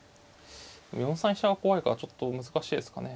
４三飛車が怖いからちょっと難しいですかね。